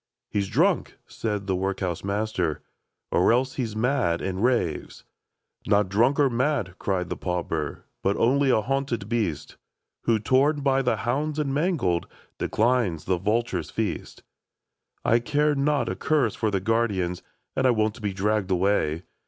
" He 's drunk !" said the workhouse master, •* Or else he 's mad, affd raves." " Not drunk or mad," cried the pauper, " But only a hunted beast. Who, torn by the hounds and mangled. Declines the vulture's feast *' I care not a^curse for the guardians, And I won't be dragged away.